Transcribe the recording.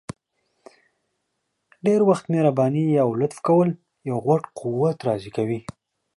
ډير وخت مهرباني او لطف کول یو غټ قوت راضي کوي!